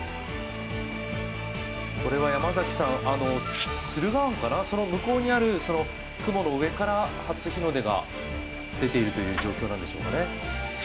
これは駿河湾かな、その向こうにある雲の上から初日の出が出ているという状況でしょうか？